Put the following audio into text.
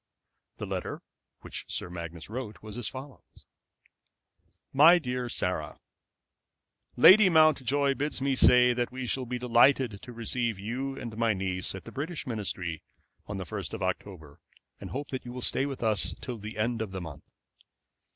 The letter which Sir Magnus wrote was as follows: MY DEAR SARAH, Lady Mountjoy bids me say that we shall be delighted to receive you and my niece at the British Ministry on the 1st of October, and hope that you will stay with us till the end of the month.